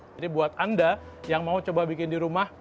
buat anda yang mau coba bikin di rumah